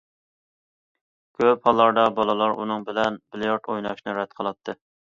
كۆپ ھاللاردا بالىلار ئۇنىڭ بىلەن بىليارت ئويناشنى رەت قىلاتتى.